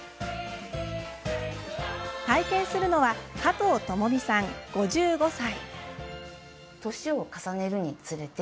体験するのは加藤智美さん、５５歳。